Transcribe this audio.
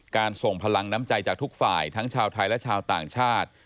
ส่งพลังน้ำใจจากทุกฝ่ายทั้งชาวไทยและชาวต่างชาติ